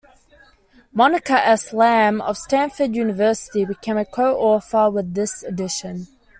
Monica S. Lam of Stanford University became a co-author with this edition.